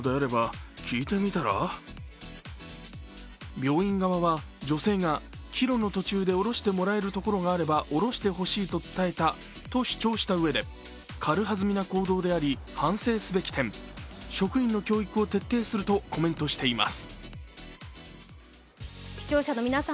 病院側は、女性が、岐路の途中で降ろしてもらえるところがあれば降ろしてほしいと伝えたと主張したうえで軽はずみな行動であり反省すべき点、職員の教育を徹底するとコメントしています。